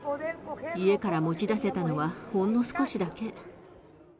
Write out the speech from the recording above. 家から持ち出せたのはほんの少しだけ。